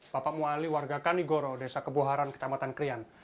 bapak muali warga kanigoro desa keboharan kecamatan krian